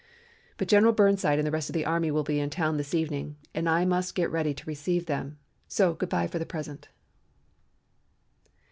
"But General Burnside and the rest of the army will be in town this evening and I must get ready to receive them, so good bye for the present."